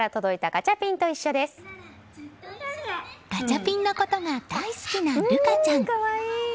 ガチャピンのことが大好きな瑠香ちゃん。